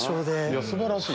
いや素晴らしい。